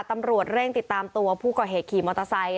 ตำรวจเร่งติดตามตัวผู้ก่อเหตุขี่มอเตอร์ไซค